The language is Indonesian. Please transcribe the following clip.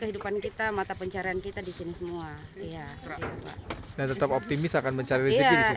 iya insya allah tetap optimis kembali ke sini